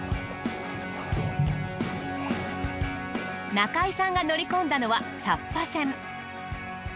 中井さんが乗り込んだのはサッパ船。